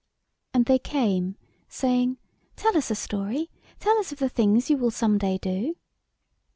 And they came, saying "Tell us a story, tell us of the things you will some day do."